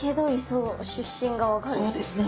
そうですね。